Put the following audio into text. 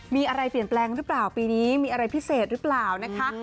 มีอะไรเปลี่ยนแปลงหรือเปล่าปีนี้มีอะไรพิเศษหรือเปล่านะคะ